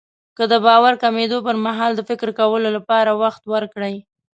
که د باور کمېدو پرمهال د فکر کولو لپاره وخت ورکړئ.